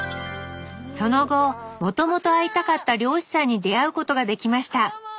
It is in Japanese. その後もともと会いたかった漁師さんに出会うことができました。